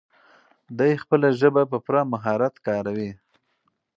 دی خپله ژبه په پوره مهارت کاروي.